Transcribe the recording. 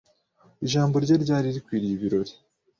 Ijambo rye ryari rikwiriye ibirori.